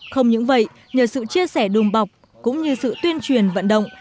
không những vậy nhờ sự chia sẻ đùm bọc cũng như sự tuyên truyền vận động